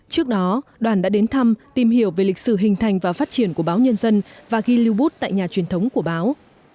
trước đó đoàn đã đến thăm tìm hiểu về lịch sử hình thành và phát triển của báo nhân dân và ghi lưu bút tại nhà truyền thống của báo